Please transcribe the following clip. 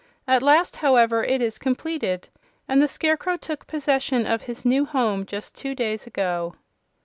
At last, however, it is completed, and the Scarecrow took possession of his new home just two days ago."